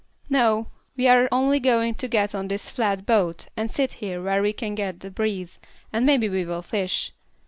"No, we are only going to get on this flat boat, and sit here where we can get the breeze, and maybe we will fish.